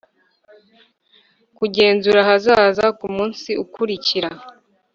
kuzenguruka ahazaza, kumunsi ukurikira